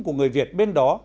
của người việt bên đó